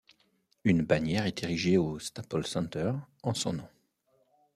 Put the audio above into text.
Une bannière est érigée au Staples Center en son honneur.